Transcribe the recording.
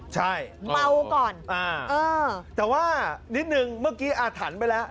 ใช่เมาก่อนแต่ว่านิดนึงเมื่อกี้อาถรรพ์ไปแล้ว